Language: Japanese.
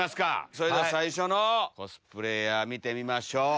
最初のコスプレーヤー見てみましょう。